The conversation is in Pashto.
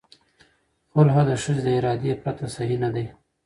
خلع د ښځې د ارادې پرته صحیح نه دی.